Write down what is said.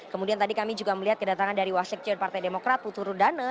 kemudian tadi kami juga melihat kedatangan dari wasik cion partai demokrat putru rudane